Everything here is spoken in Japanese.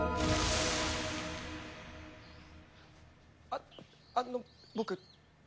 あっあの僕。